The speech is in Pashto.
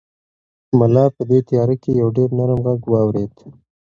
ملا په دې تیاره کې یو ډېر نرم غږ واورېد.